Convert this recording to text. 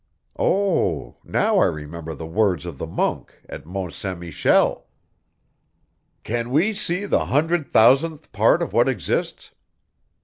Oh! Now I remember the words of the monk at Mont Saint Michel: "Can we see the hundred thousandth part of what exists?